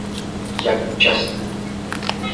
yaku chaspu.